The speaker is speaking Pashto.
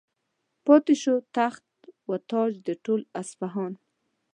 پاتې شو تخت و تاج د ټول اصفهان.